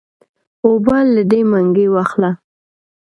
اوبۀ له دې منګي واخله